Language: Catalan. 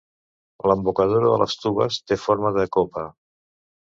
L'embocadura de les tubes té forma de copa.